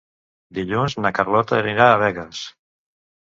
Dilluns na Carlota anirà a Begues.